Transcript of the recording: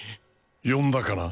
呼んだかな？